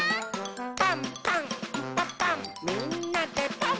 「パンパンんパパンみんなでパン！」